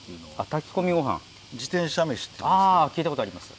聞いたことあります。